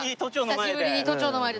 久しぶりに都庁の前で。